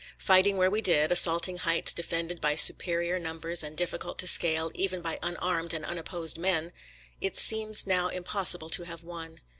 Fighting where we did — assaulting heights defended by supe rior numbers and difllcult to scale even by un armed and unopposed men — it seems now im possible to have won.